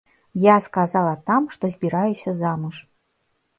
Я сказала там, што збіраюся замуж.